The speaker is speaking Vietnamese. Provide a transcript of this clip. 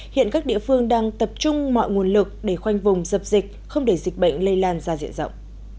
hiện các địa phương đang tập trung mọi nguồn lực để khoanh vùng dập dịch không để dịch bệnh lây lan ra diện rộng